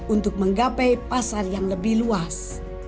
untuk menggapai pasar yang lebih luas